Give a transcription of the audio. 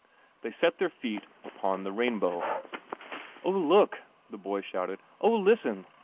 They set their feet upon the rainbow. " Oh, look !" the boy shouted. " Oh, listen